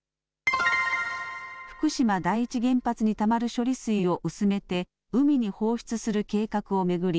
福島第一原発にたまる処理水を薄めて海に放出する計画を巡り